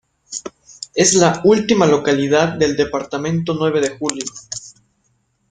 Es la última localidad del departamento Nueve de Julio.